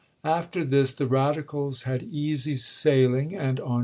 After this the radicals had easy sailing, and on i86i.